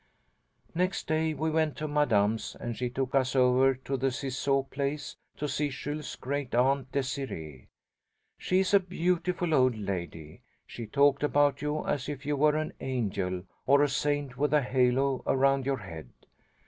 "Next day we went to Madame's, and she took us over to the Ciseaux place to see Jules's great aunt Désirée. She is a beautiful old lady. She talked about you as if you were an angel, or a saint with a halo around your head.